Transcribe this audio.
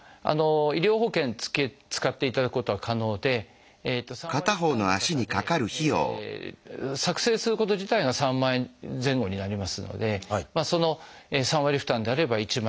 医療保険使っていただくことは可能で３割負担の方で作製すること自体が３万円前後になりますのでその３割負担であれば１万円ぐらい。